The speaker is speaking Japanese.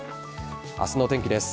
明日の天気です。